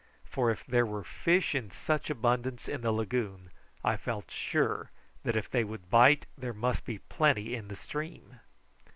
For if there were fish in such abundance in the lagoon, I felt sure that if they would bite there must be plenty in the stream.